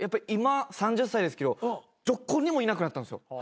今３０歳ですけどどこにもいなくなったんですよ。